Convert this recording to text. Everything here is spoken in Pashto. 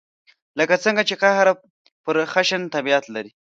لکه څنګه چې قهر پر خشن طبعیت لري.